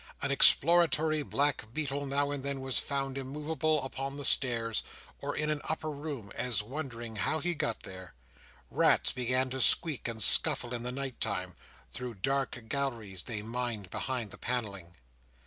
An exploratory blackbeetle now and then was found immovable upon the stairs, or in an upper room, as wondering how he got there. Rats began to squeak and scuffle in the night time, through dark galleries they mined behind the panelling.